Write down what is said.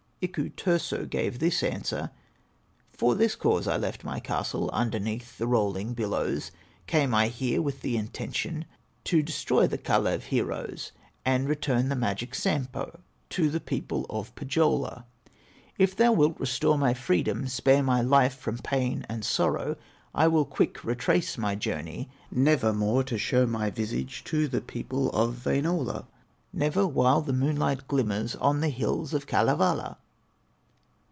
Iku Turso gave this answer: "For this cause I left my castle Underneath the rolling billows: Came I here with the intention To destroy the Kalew heroes, And return the magic Sampo To the people of Pohyola. If thou wilt restore my freedom, Spare my life from pain and sorrow, I will quick retrace my journey, Nevermore to show my visage To the people of Wainola, Never while the moonlight glimmers On the hills of Kalevala!"